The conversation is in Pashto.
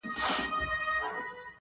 خدايه سندرو کي مي ژوند ونغاړه.